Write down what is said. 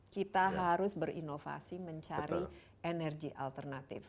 kita harus berinovasi mencari energi alternatif